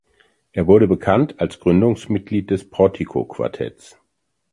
Er wurde bekannt als Gründungsmitglied des Portico Quartets.